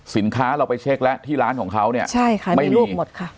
สินค้าเราไปเช็คแล้วที่ร้านของเขาเนี่ยใช่ค่ะไม่ลูกหมดค่ะ